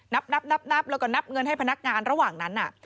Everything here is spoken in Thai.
นับนับแล้วก็นับเงินให้พนักงานระหว่างนั้น